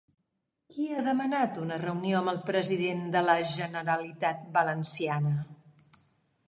Qui ha demanat una reunió amb el president de la Generalitat Valenciana?